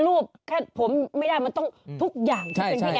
ถึงแค่ผมไม่ได้มันต้องทุกอย่างเป็นทิกแกน่า